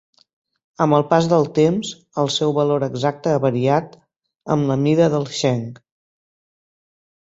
Amb el pas del temps, el seu valor exacte ha variat amb la mida del "sheng".